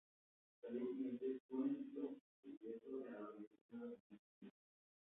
Al día siguiente, Túnez hizo su ingreso en la Organización de las Naciones Unidas.